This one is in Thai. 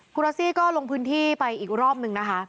คุณรัสซี่ก็ลงพื้นที่ไปอีกรอบนึงนะคะ